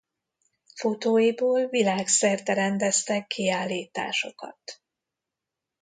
Fotóiból világszerte rendeztek kiállításokat.